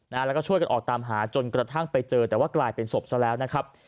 แล้วก็ช่วยกันออกตามหาจนกระทั่งไปเจอแต่ว่ากลายเป็นศพซะแล้วนะครับ